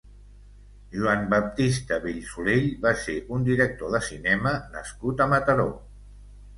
Joan Baptista Bellsolell va ser un director de cinema nascut a Mataró.